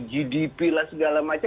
gdp lah segala macam